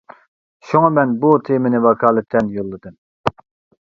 شۇڭا مەن بۇ تېمىنى ۋاكالىتەن يوللىدىم.